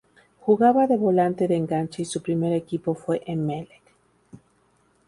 Jugaba de volante de enganche y su primer equipo fue Emelec.